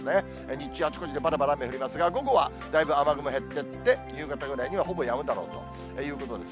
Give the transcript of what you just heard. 日中、あちこちでぱらぱら雨降りますが、午後はだいぶ雨雲減ってって、夕方ぐらいにはほぼやむだろうということです。